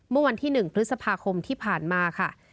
เมื่อวันที่๑พฤษภาคมที่ผ่านมาค่ะ